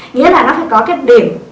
nghĩa là nó phải có cái điểm